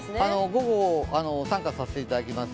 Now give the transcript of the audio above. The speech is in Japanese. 午後、参加させていただきます。